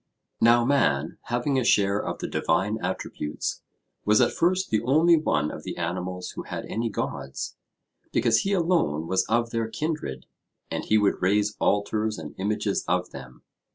Now man, having a share of the divine attributes, was at first the only one of the animals who had any gods, because he alone was of their kindred; and he would raise altars and images of them.